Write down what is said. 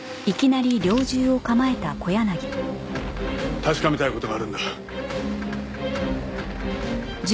確かめたい事があるんだ。